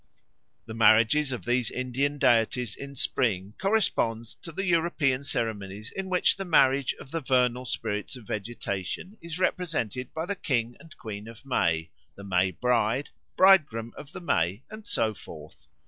The marriage of these Indian deities in spring corresponds to the European ceremonies in which the marriage of the vernal spirits of vegetation is represented by the King and Queen of May, the May Bride, Bridegroom of the May, and so forth.